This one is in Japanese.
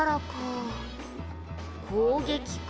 「攻撃か？